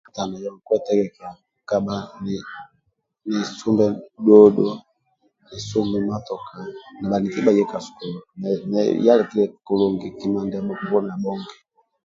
Ka muaka tano yoho nkietegeka nkikabha ni sumbe dhudhu ni sumbe motoka na bhaniki bhaye ka sukulu nie alikilie kulungi kima ndiamo poni abhonge